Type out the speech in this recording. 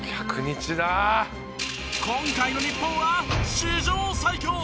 今回の日本は史上最強！